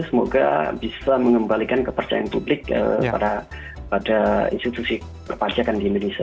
semoga bisa mengembalikan kepercayaan publik pada institusi perpajakan di indonesia